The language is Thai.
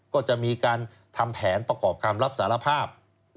ก็จะมีการทำแผนประกอบคำรับสารภาพ